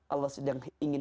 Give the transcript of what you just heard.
allah sedang ingin